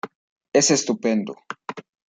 Es estupendo".